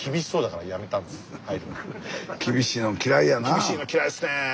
厳しいの嫌いですね。